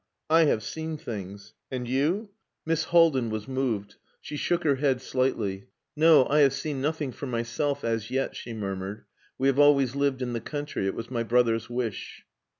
I have seen things. And you?" Miss Haldin was moved. She shook her head slightly. "No, I have seen nothing for myself as yet," she murmured "We have always lived in the country. It was my brother's wish."